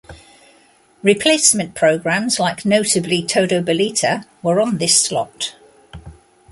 Replacement programs like notably, "Todo Balita" were on this slot.